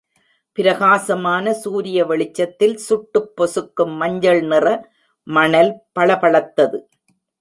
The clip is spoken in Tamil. பிரகாசமான சூரிய வெளிச்சத்தில், சுட்டுப் பொசுக்கும் மஞ்சள் நிற மணல் பளபளத்தது.